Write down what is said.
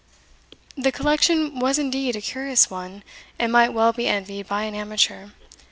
The collection was indeed a curious one, and might well be envied by an amateur.